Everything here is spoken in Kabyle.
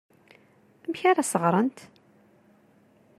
Amek ara as-ɣrent?